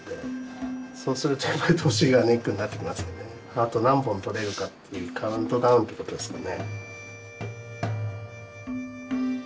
あと何本撮れるかっていうカウントダウンってことですもんね。